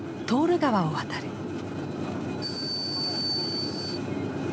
トール川を渡る。